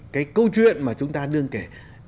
cái câu chuyện mà chúng ta đương kể